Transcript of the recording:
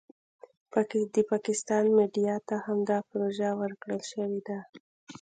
د پاکستان میډیا ته همدا پروژه ورکړای شوې ده.